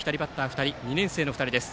２人２年生の２人です。